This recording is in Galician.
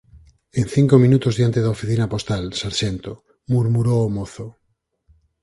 —En cinco minutos diante da oficina postal, sarxento —murmurou o mozo—.